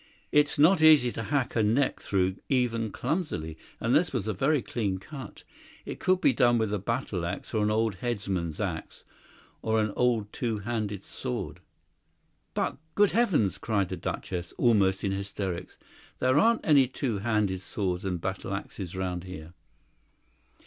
"It's not easy to hack a neck through even clumsily, and this was a very clean cut. It could be done with a battle axe or an old headsman's axe, or an old two handed sword." "But, good heavens!" cried the Duchess, almost in hysterics, "there aren't any two handed swords and battle axes round here."